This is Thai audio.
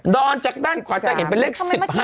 อนจากด้านขวาจะเห็นเป็นเลข๑๕